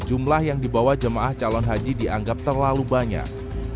jumlah yang dibawa jemaah calon haji dianggap terlalu banyak